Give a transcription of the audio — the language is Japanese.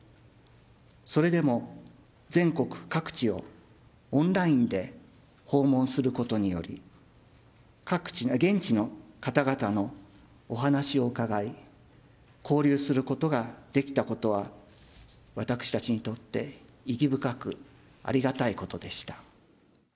それでも全国各地をオンラインで訪問することにより、現地の方々のお話を伺い、交流することができたことは、私たちにとって意義深くありがたいことでした。